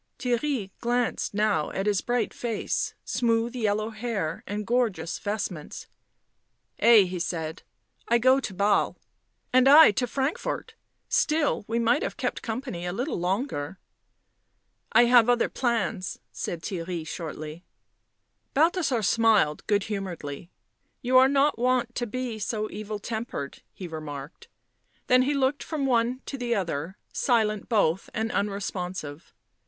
... Theirry glanced now at his bright face, smooth yellow hair and gorgeous vestments. " Ay," he said. " I go to Basle. " And I to Frankfort ; still, we might have kept company a little longer." " I have other plans," said Theirry shortly. Balthasar smiled good humouredly. u You are not wont to be so evil tempered," he remarked. Then he looked from one to the other ; silent both and unresponsive.